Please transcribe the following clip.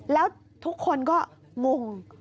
แล้วทุกคนก็งง